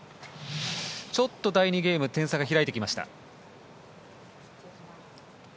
ちょっと第２ゲーム点差が開いてきました。